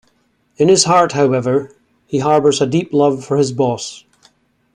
In his heart, however, he harbours a deep love for his boss.